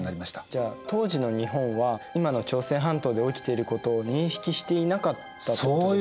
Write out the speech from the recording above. じゃあ当時の日本は今の朝鮮半島で起きていることを認識していなかったってことですか？